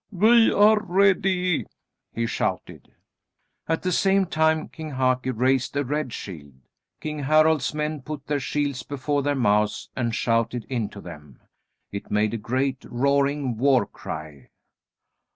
"We are ready!" he shouted. At the same time King Haki raised a red shield. King Harald's men put their shields before their mouths and shouted into them. It made a great roaring war cry.